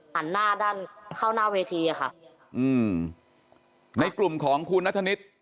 หันหน้าด้านเข้าหน้าเวทีอะค่ะอืมในกลุ่มของคุณนัทธนิษฐ์